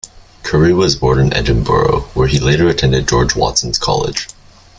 Currie was born in Edinburgh, where he later attended George Watson's College.